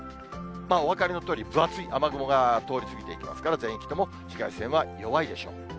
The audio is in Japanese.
お分かりのとおり、分厚い雨雲が通り過ぎていきますから、全域とも紫外線は弱いでしょう。